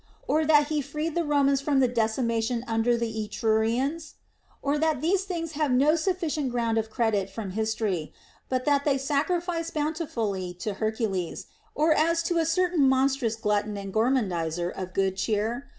Or that he freed the Romans from the decimation under the Etrurians I Or that these things have no sufficient ground of credit from history, but that they sacrificed bountifully to Hercules, as to a certain monstrous glutton and gormandizer of good cheer?